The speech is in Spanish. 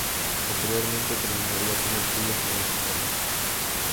Posteriormente terminaría sus estudios universitarios.